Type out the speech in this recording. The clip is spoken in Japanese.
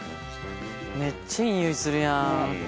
めっちゃいいにおいするやん。